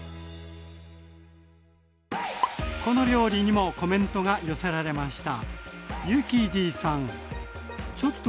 この料理にもコメントが寄せられました。